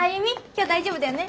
今日大丈夫だよね？